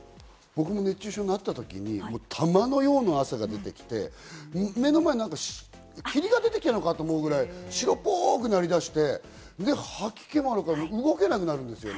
熱中症になったときに玉のような汗が出てきて、目の前になんか霧が出てきたのかと思うぐらい白っぽくなりだして、吐き気もあるから動けなくなるんですよ。